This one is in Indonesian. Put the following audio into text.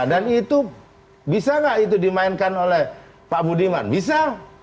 dan itu bisa nggak itu dimainkan oleh pak budiman bisa